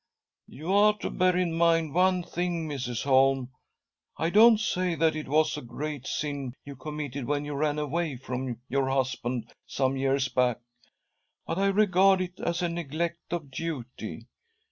"You are to bear in mind one thing, Mrs. Holm. I don't say that it was a great sin you committed when you ran away from your husband some years back, but I regard it as a neglect of duty.